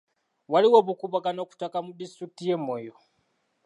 Waliwo obukuubagano ku ttaka mu disitulikiti y'e Moyo.